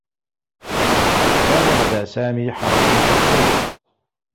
كان لدى سامي حرس شخصي.